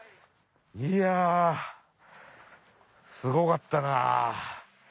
いやすごかったな。